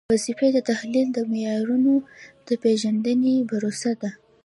د وظیفې تحلیل د معیارونو د پیژندنې پروسه ده.